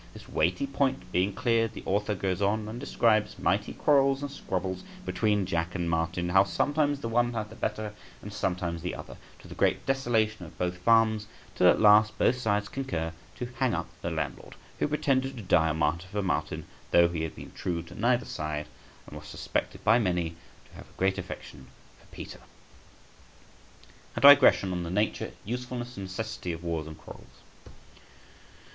This weighty point being cleared, the author goes on and describes mighty quarrels and squabbles between Jack and Martin; how sometimes the one had the better and sometimes the other, to the great desolation of both farms, till at last both sides concur to hang up the landlord {162c}, who pretended to die a martyr for Martin, though he had been true to neither side, and was suspected by many to have a great affection for Peter. A DIGRESSION ON THE NATURE, USEFULNESS, AND NECESSITY OF WARS AND QUARRELS.